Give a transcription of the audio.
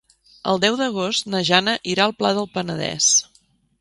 El deu d'agost na Jana irà al Pla del Penedès.